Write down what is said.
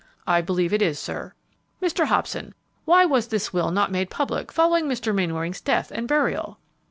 "I believe it is, sir." "Mr. Hobson, why was this will not make public following Mr. Mainwaring's death and burial?"